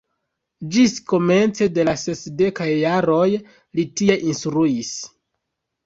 Ĝis komence de la sesdekaj jaroj li tie instruis.